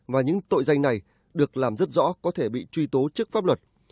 và những tội danh này được làm rất rõ có thể bị truy tố trước pháp luật